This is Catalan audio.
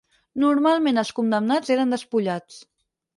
Normalment els condemnats eren despullats.